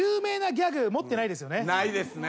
ないですね。